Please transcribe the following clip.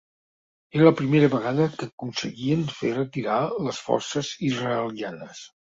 Era la primera vegada que aconseguien fer retirar les forces israelianes.